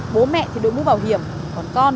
bố mẹ thì đối mũ bảo hiểm còn con